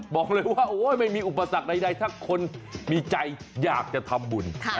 บอกเลยว่าไม่มีอุปสรรคใดถ้าคนมีใจอยากจะทำบุญ